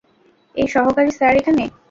এই সহকারী স্যার এখানে।